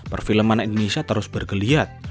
perfilman indonesia terus bergeliat